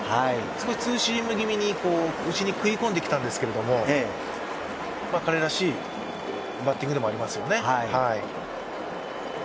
少しツーシーム気味に内に食い込んできたんですけど彼らしいバッティングでもありますよね。